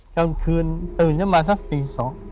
กลางคืนตื่นจะมาถ้าตีสอง